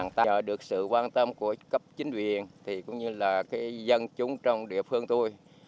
nhờ được sự quan tâm của cấp chính viên cũng như là dân chúng trong địa phương tôi